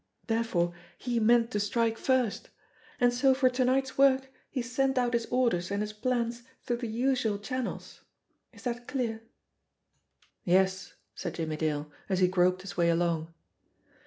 Therefore he meant to strike first. And so for to night's work he sent out his orders and his plans through the usual channels. Is that clear ?" "Yes," said Jimmie Dale, as he groped his way along.